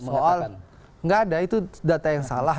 soal nggak ada itu data yang salah